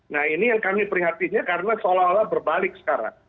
nah ini yang kami prihatinnya karena seolah olah berbalik sekarang